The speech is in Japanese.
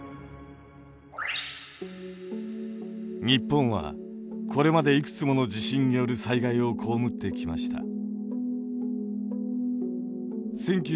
日本はこれまでいくつもの地震による災害を被ってきました。